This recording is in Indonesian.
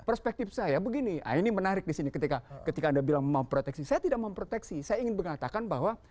perspektif saya begini ini menarik disini ketika anda bilang memproteksi saya tidak memproteksi saya ingin mengatakan bahwa